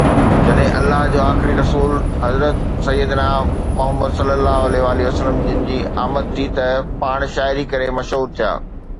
جڏهن الله جو آخري رسول حضرت سيدنا محمد صه جن جي آمد ٿي ته پاڻ شاعري ڪري مشهور ٿيا.